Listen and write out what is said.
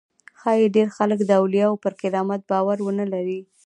ښایي ډېر خلک د اولیاوو پر کرامت باور ونه لري.